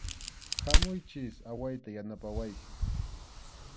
Hamuychik, awayta yanapawayku.